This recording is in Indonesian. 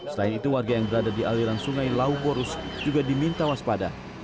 selain itu warga yang berada di aliran sungai lau borus juga diminta waspada